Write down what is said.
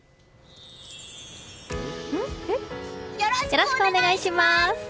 よろしくお願いします！